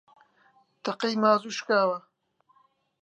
تەقەی مازوو شکاوە